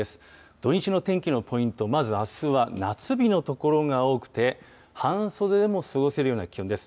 土日の天気のポイント、まずあすは夏日の所が多くて、半袖でも過ごせるような気温です。